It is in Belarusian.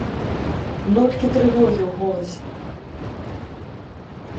Ноткі трывогі ў голасе.